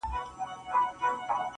خوي دې بدل نۀ شۀ حالاتو سره